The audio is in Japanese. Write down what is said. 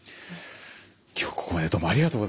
今日はここまでどうもありがとうございました。